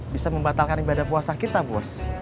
bisa membatalkan ibadah puasa kita bos